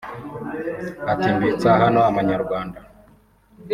’ Ati ‘mbitsa hano amanyarwanda